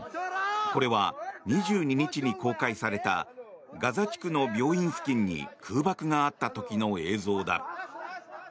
これは２２日に公開されたガザ地区の病院付近に空爆があった時の映像だ。